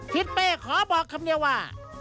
ทิศเป้ขอบอกคำเดียวว่า